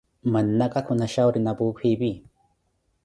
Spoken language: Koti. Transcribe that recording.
Mannaka khuna xhauri na puukhu epi?